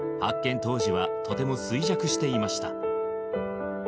当時はとても衰弱していました